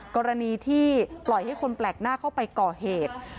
กรณีที่ปล่อยให้คนแปลกหน้าเข้าไปก่อเหตุ